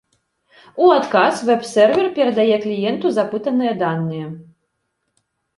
У адказ вэб-сервер перадае кліенту запытаныя даныя.